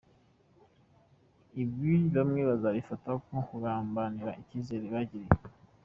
Ibi bamwe bazabifata nko kugambanira icyizere bayigiriye.